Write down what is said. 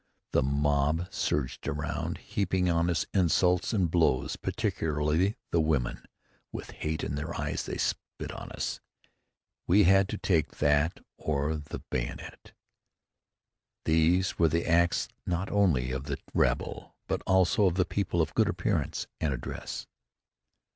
The mob surged around, heaping on us insults and blows; particularly the women. With hate in their eyes, they spat on us. We had to take that or the bayonet. These were the acts not only of the rabble, but also of the people of good appearance and address.